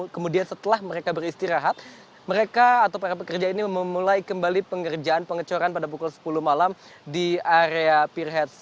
kemudian setelah mereka beristirahat mereka atau para pekerja ini memulai kembali pengerjaan pengecoran pada pukul sepuluh malam di area pierheads